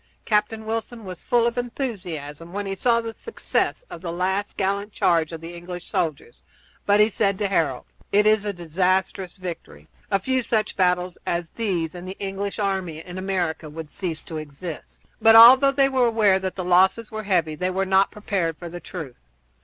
Captain Wilson was full of enthusiasm when he saw the success of the last gallant charge of the English soldiers, but he said to Harold: "It is a disastrous victory. A few such battles as these and the English army in America would cease to exist." But although they were aware that the losses were heavy they were not prepared for the truth.